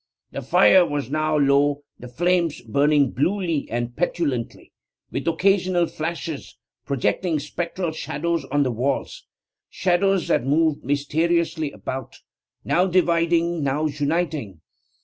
The fire was now low, the flames burning bluely and petulantly, with occasional flashes, projecting spectral shadows on the walls shadows that moved mysteriously about, now dividing, now uniting.